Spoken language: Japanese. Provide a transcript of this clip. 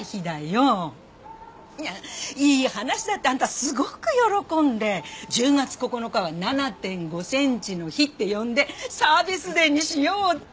いい話だってあんたすごく喜んで１０月９日は７．５センチの日って呼んでサービスデーにしようって。